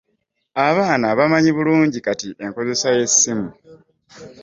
Abaana bamanyi bulungi kati enkozesa y'essimu.